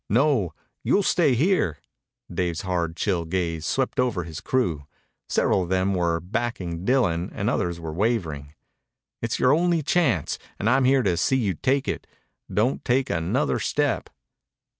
"No. You'll stay here." Dave's hard, chill gaze swept over his crew. Several of them were backing Dillon and others were wavering. "It's your only chance, and I'm here to see you take it. Don't take another step."